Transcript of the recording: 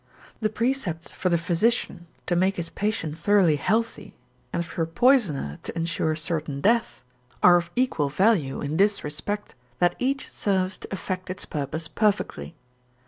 The precepts for the physician to make his patient thoroughly healthy, and for a poisoner to ensure certain death, are of equal value in this respect, that each serves to effect its purpose perfectly.